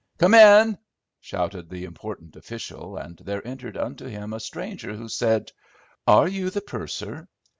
"Come in!" shouted the important official, and there entered unto him a stranger, who said—"Are you the purser?"